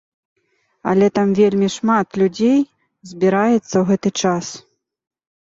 Але там вельмі шмат людзей збіраецца ў гэты час.